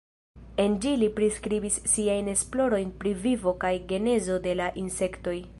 En ĝi li priskribis siajn esplorojn pri vivo kaj genezo de la insektoj.